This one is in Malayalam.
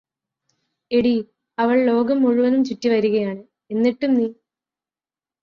എടീ അവൾ ലോകം മുഴുവനും ചുറ്റിവരുകയാണ് എന്നിട്ടും നീ